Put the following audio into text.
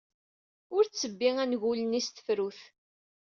Ur ttebbi angul-nni s tefrut.